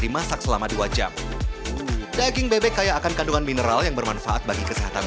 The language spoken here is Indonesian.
dimasak selama dua jam daging bebek kaya akan kandungan mineral yang bermanfaat bagi kesehatan